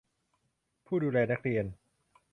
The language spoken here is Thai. ผู้ดูแลนักเรียน